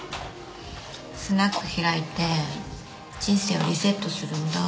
スナック開いて人生をリセットするんだ。